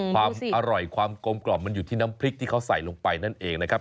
ความอร่อยความกลมกล่อมมันอยู่ที่น้ำพริกที่เขาใส่ลงไปนั่นเองนะครับ